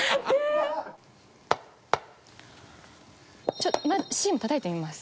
ちょっとＣもたたいてみます。